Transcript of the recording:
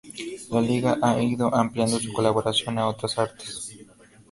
La Liga ha ido ampliando su colaboración a otras artes.